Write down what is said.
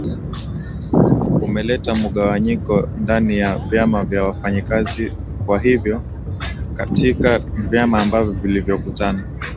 umeleta mugawanyiko ndani ya vyama vya wafanyakazi kwa hivyo katika vyama ambavyo vilivyokutana